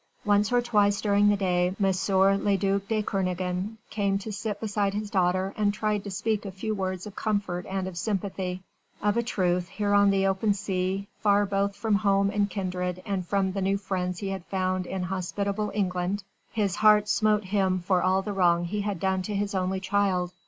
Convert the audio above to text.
Once or twice during the day M. le duc de Kernogan came to sit beside his daughter and tried to speak a few words of comfort and of sympathy. Of a truth here on the open sea far both from home and kindred and from the new friends he had found in hospitable England his heart smote him for all the wrong he had done to his only child.